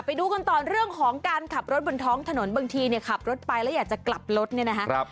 ไปดูกันต่อเรื่องของการขับรถบนท้องถนนบางทีเนี่ยขับรถไปแล้วอยากจะกลับรถเนี่ยนะฮะ